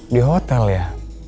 di hotel ya